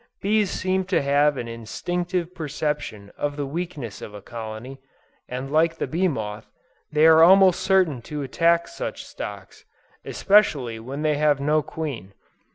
Bees seem to have an instinctive perception of the weakness of a colony, and like the bee moth, they are almost certain to attack such stocks, especially when they have no queen.